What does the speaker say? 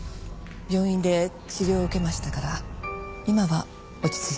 病院で治療を受けましたから今は落ち着いています。